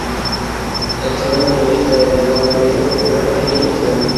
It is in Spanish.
El segundo nivel está dedicado al vidrio popular e industrial.